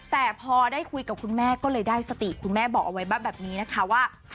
แต่พอได้คุยกับคุณแม่ก็เลยได้สติคุณแม่บอกเอาไว้แบบนี้นะคะว่า